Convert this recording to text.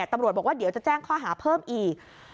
ตำรวจบอกว่าเดี๋ยวจะแจ้งข้อหาเพิ่มอีก